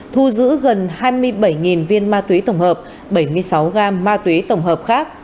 thu giữ gần hai mươi bảy viên ma túy tổng hợp bảy mươi sáu gam ma túy tổng hợp khác